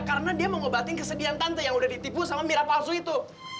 karena dia mau ngobatin kesedihan tante yang udah ditipu sama mira palsu itu